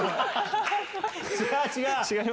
違う違う！